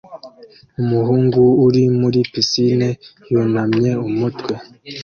Umuhungu uri muri pisine yunamye umutwe